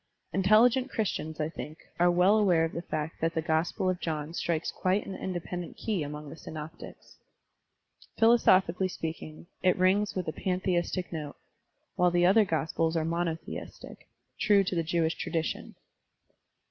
Intelligent Christians, I think, are well aware of the fact that the Gospel of John strikes quite an indepei:ident key among the Synoptics. Philosophically speaking, it rings with a pantheistic note, while the other gospels are monotheistic, true to the Jewish tradition.